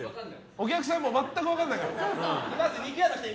お客さんも全く分からないから。